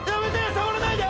触らないで！